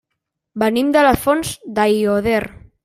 Venim de les Fonts d'Aiòder.